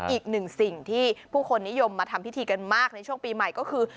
อีกหนึ่งสิ่งที่ผู้คนนิยมมาทำพิธีกันมากในช่วงปีใหม่ก็คือ